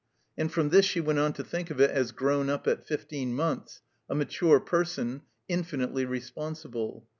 And from this she went on to think of it as grown up at fifteen months, a mature person, infinitely responsible.